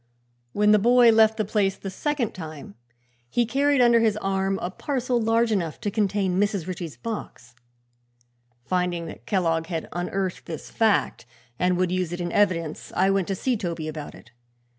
When the boy left the place the second time he carried under his arm a parcel large enough to contain Mrs. Ritchie's box. Finding that Kellogg had unearthed this fact and would use it in evidence, I went to see Toby about it.